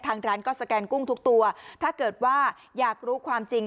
ทางร้านก็สแกนกุ้งทุกตัวถ้าเกิดว่าอยากรู้ความจริง